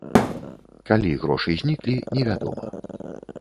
Калі грошы зніклі, невядома.